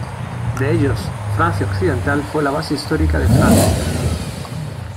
De ellos Francia occidental fue la base histórica de Francia.